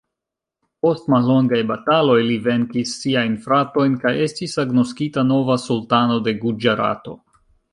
Post mallongaj bataloj li venkis siajn fratojn kaj estis agnoskita nova sultano de Guĝarato.